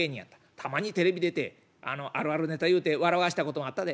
たまにテレビ出てあるあるネタ言うて笑わしたこともあったで。